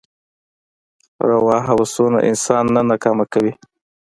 روا هوسونه انسان نه ناکام کوي.